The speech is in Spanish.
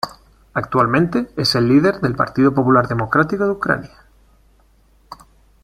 Actualmente es el líder del Partido Popular Democrático de Ucrania.